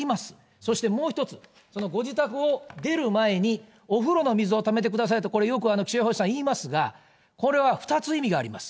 そしてもう１つ、そのご自宅を出る前に、お風呂の水をためてくださいと、よく気象予報士さん言いますが、これは２つ意味があります。